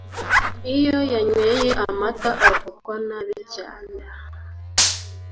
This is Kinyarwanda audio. Iyo yanyweye amata amugwa nabi cyane